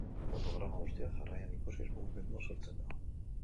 Fotograma guztiak jarraian ikusiz, mugimendua sortzen da.